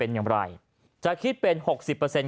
ก็ถือว่าถูกเหมือนกัน